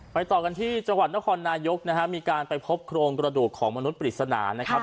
ต่อกันที่จังหวัดนครนายกนะฮะมีการไปพบโครงกระดูกของมนุษย์ปริศนานะครับ